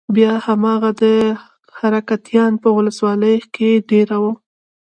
بيا هماغه حرکتيان په ولسوالۍ کښې دېره وو.